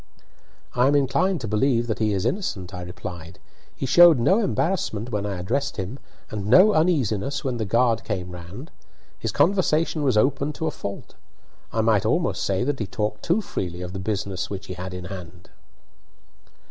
"I am inclined to believe that he is innocent," I replied. "He showed no embarrassment when I addressed him, and no uneasiness when the guard came round. His conversation was open to a fault. I might almost say that he talked too freely of the business which he had in hand."